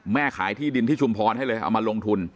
ขายที่ดินที่ชุมพรให้เลยเอามาลงทุน